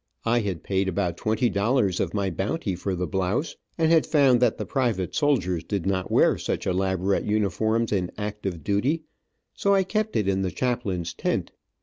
I had paid about twenty dollars of my bounty for the blouse, and had found that the private soldiers did not wear such elaborate uniforms in active duty, so I kept it in the chaplain's tent.